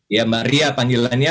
ya mbak ria panggilannya